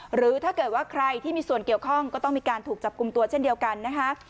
หรือถ้าเกิดว่าใครที่มีส่วนเกี่ยวข้องก็ต้องมีการถูกจับกลุ่มตัวเช่นเดียวกันนะคะ